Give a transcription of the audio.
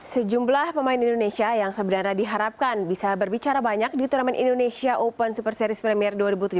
sejumlah pemain indonesia yang sebenarnya diharapkan bisa berbicara banyak di turnamen indonesia open super series premier dua ribu tujuh belas